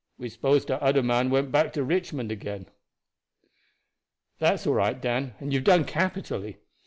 We s'pose dat oder man went back to Richmond again." "That is all right, Dan, and you have done capitally.